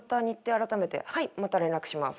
あらためてはいまた連絡します。